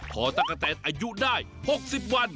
พอตะกะแตนอายุได้๖๐วัน